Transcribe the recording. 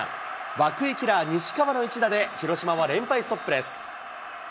涌井キラー、西川の一打で広島は連敗ストップです。